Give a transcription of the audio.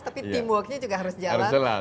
tapi teamworknya juga harus jalan